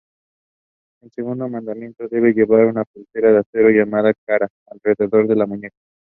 Segundo mandamiento: debe llevar una pulsera de acero llamada "kara", alrededor de su muñeca.